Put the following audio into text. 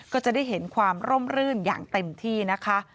ก็จะได้เห็นความร่มรื่นอย่างเต็มที่นะคะ